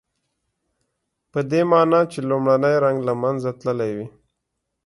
پدې معنی چې لومړنی رنګ له منځه تللی وي.